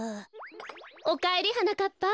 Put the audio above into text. おかえりはなかっぱ。